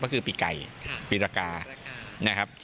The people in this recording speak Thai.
ก็คือปีไก่ปีรกานะครับ